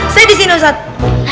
saya disini ustadz